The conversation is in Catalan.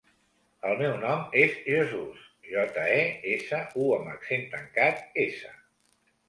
El meu nom és Jesús: jota, e, essa, u amb accent tancat, essa.